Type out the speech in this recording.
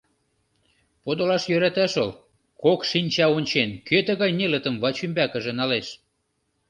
Подылаш йӧрата шол, кок шинча ончен, кӧ тыгай нелытым вачӱмбакыже налеш.